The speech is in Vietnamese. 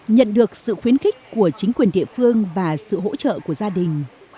nhận được sự khuyến khích của chính quyền địa phương và sự hỗ trợ của gia đình